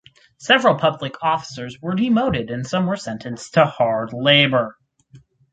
Several public officers were demoted and some were sentenced to hard labour.